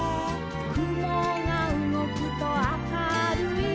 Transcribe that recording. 「くもがうごくと明るい」